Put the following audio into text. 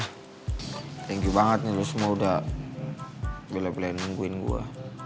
thank you banget nih lo semua udah beli beli nungguin gue